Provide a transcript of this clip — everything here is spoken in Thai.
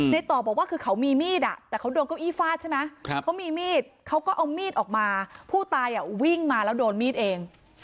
ต่อบอกว่าคือเขามีมีดแต่เขาโดนเก้าอี้ฟาดใช่ไหมเขามีมีดเขาก็เอามีดออกมาผู้ตายวิ่งมาแล้วโดนมีดเอง